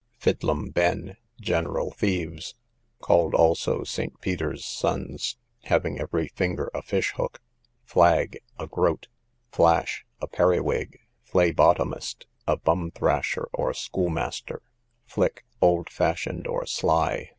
Fidlam Ben, general thieves; called also St. Peter's sons, having every finger a fish hook. Flag, a groat. Flash, a periwig. Flaybottomist, a bum thrasher, or schoolmaster. Flick, old fashioned, or sly.